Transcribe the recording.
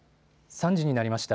３時になりました。